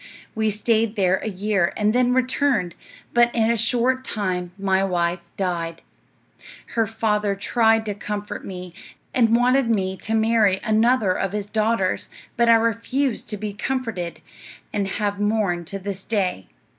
We stayed there a year and then returned, but in a short time my wife died. Her father tried to comfort me, and wanted me to marry another of his daughters, but I refused to be comforted, and have mourned to this day.